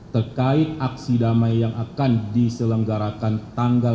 terkait aksi damai yang akan diselenggarakan tanggal